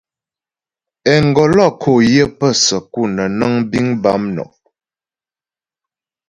Engolo kǒ yə pə səku nə́ nəŋ biŋ bâ mnɔm.